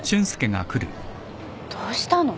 どうしたの？